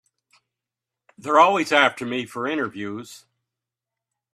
They're always after me for interviews.